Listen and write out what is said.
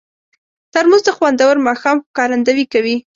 ترموز د خوندور ماښام ښکارندویي کوي.